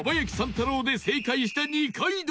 太郎で正解した二階堂！